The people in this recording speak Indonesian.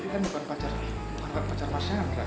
tuh devi kan bukan pacar mas chandra